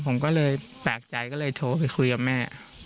ผมก็เลยแปลกใจก็เลยโทรไปคุยกับแม่